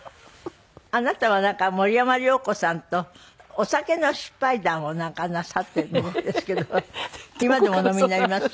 あなたはなんか森山良子さんとお酒の失敗談をなんかなさってるんですけど今でもお飲みになります？